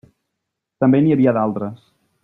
També n'hi havia d'altres.